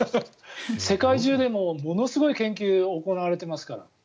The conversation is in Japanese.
世界中でものすごい研究が行われていますから。